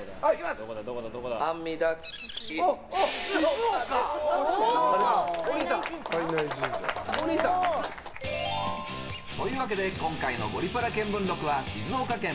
静岡！というわけで今回の「ゴリパラ見聞録」は静岡県。